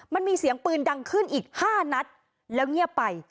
มันมีเสียงปืนดังขึ้นอีก๕นัดแล้วเงียบไป